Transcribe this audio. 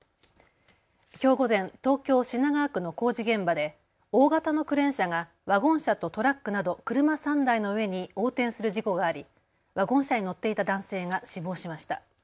きょう午前、東京品川区の工事現場で大型のクレーン車がワゴン車とトラックなど車３台の上に横転する事故がありワゴン車に乗っていた男性が死亡しました。